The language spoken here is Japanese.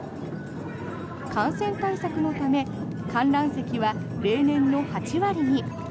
感染対策のため観覧席は例年の８割に。